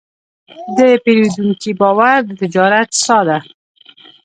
د پیرودونکي باور د تجارت ساه ده.